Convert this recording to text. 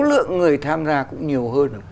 số lượng người tham gia cũng nhiều hơn